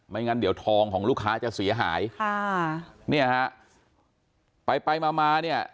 งั้นเดี๋ยวทองของลูกค้าจะเสียหายค่ะเนี่ยฮะไปไปมามาเนี่ย